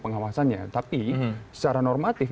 pengawasannya tapi secara normatif